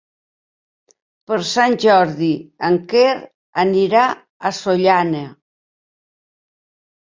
Per Sant Jordi en Quer anirà a Sollana.